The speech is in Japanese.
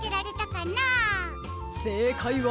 せいかいは。